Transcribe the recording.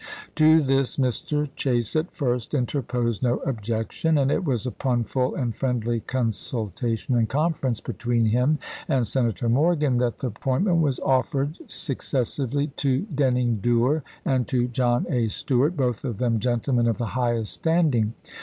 To this Mr. Chase at first interposed no objection ; and it was upon full and friendly con sultation and conference between him and Senator Morgan that the appointment was offered succes ABRAHAM LINCOLN sively to Denning Duer and to John A. Stewart, both of them gentlemen of the highest stand ing.